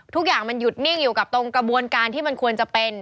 ทุกอย่างมันหยุดนิ่งอยู่กับตรงกระบวนการที่มันควรจะเป็น